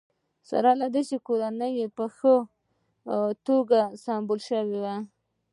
سره له دې کور په ښه توګه سمبال شوی و